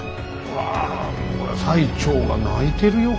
うわ最澄が泣いてるよ